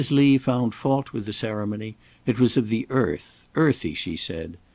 Lee found fault with the ceremony; it was of the earth, earthy, she said.